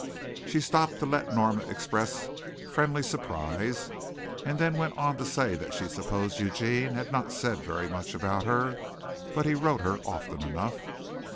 She stopped to let Norma express friendly surprise, and then went on to say that she supposed Eugene had not said very much about her, but he wrote her often enough.